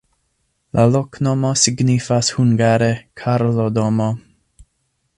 La loknomo signifas hungare: Karlo-domo.